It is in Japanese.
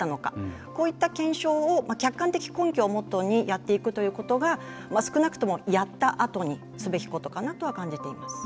こういった検証を客観的根拠をもとにやっていくということが少なくとも、やったあとにすべきことかなとは感じています。